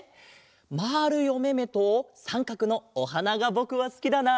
まるいおめめとさんかくのおはながぼくはすきだな。